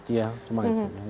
iya cuman angin kencang